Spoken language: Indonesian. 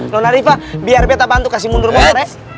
nona riva biar beta bantu kasih mundur motor